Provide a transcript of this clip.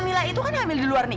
iya ibu udah selesai